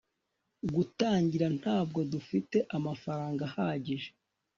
gutangira, ntabwo dufite amafaranga ahagije